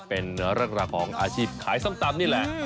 เป็นรักของอาชีพขายส้ำตำนี่แหละ